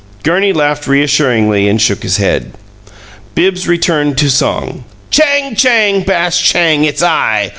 Gurney laughed reassuringly, and shook his head. Bibbs returned to song: Chang! Chang, bash, chang! It's I!